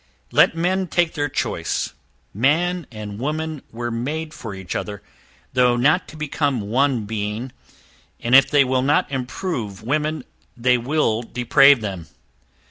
Let men take their choice, man and woman were made for each other, though not to become one being; and if they will not improve women, they will deprave them!